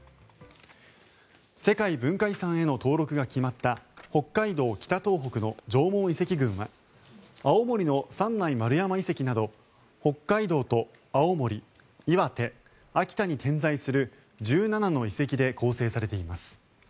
世界文化遺産への登録が決まった北海道・北東北の縄文遺跡群は青森の三内丸山遺跡など北海道と青森、岩手、秋田に点在する１７の遺跡で構成されています。